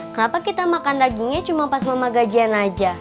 kenapa kita makan dagingnya cuma pas mama gajian aja